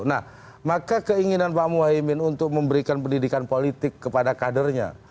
nah maka keinginan pak muhaymin untuk memberikan pendidikan politik kepada kadernya